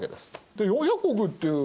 で４００石っていうお米。